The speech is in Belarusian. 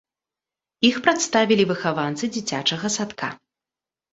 Іх прадставілі выхаванцы дзіцячага садка.